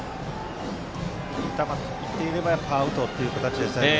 送球が行っていればアウトという形でしたね。